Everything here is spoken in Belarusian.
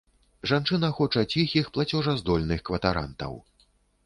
Жанчына хоча ціхіх плацежаздольных кватарантаў.